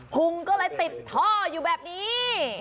ุงก็เลยติดท่ออยู่แบบนี้